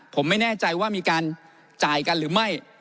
ผมไม่แน่ใจว่ามีการจ่ายกันหรือไม่